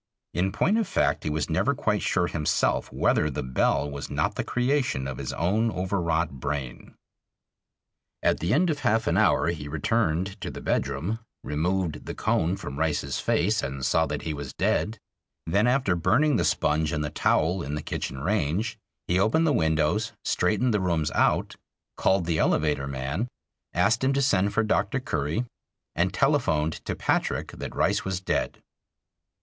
In point of fact he was never quite sure himself whether the bell was not the creation of his own overwrought brain. At the end of half an hour he returned to the bedroom, removed the cone from Rice's face and saw that he was dead, then after burning the sponge and the towel in the kitchen range he opened the windows, straightened the rooms out, called the elevator man, asked him to send for Dr. Curry, and telephoned to Patrick that Rice was dead.